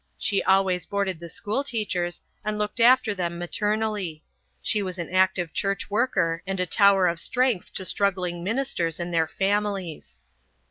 She always boarded the schoolteachers and looked after them maternally; she was an active church worker and a tower of strength to struggling ministers and their families.